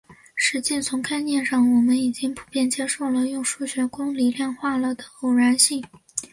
实际从概念上我们已经普遍接受了用数学公理量化了的偶然性。